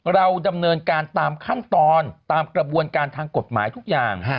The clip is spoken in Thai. เราดำเนินการตามขั้นตอนตามกระบวนการทางกฎหมายทุกอย่าง